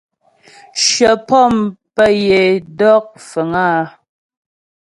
Shyə pɔ̂m pə́ yə é dɔk fəŋ áa.